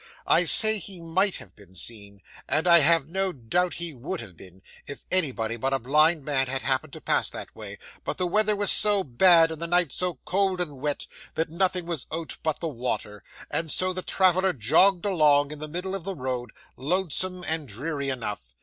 I say he might have been seen, and I have no doubt he would have been, if anybody but a blind man had happened to pass that way; but the weather was so bad, and the night so cold and wet, that nothing was out but the water, and so the traveller jogged along in the middle of the road, lonesome and dreary enough.